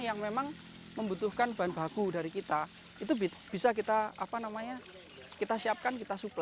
yang memang membutuhkan bahan baku dari kita itu bisa kita apa namanya kita siapkan kita supply